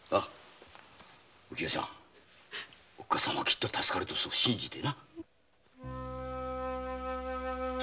お清ちゃんお母さんはきっと助かるとそう信じてな。